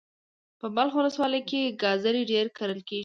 په بلخ ولسوالی کی ګازر ډیر کرل کیږي.